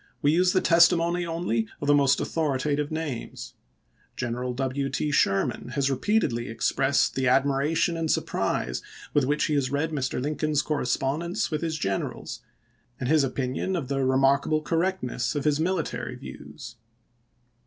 We use the testimony only of the most authoritative names. General W. T. Sher man has repeatedly expressed the admiration and surprise with which he has read Mr. Lincoln's correspondence with his generals, and his opinion of the remarkable correctness of his military views.